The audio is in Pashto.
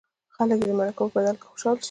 خلک دې د مرکو په بدل کې خوشاله شي.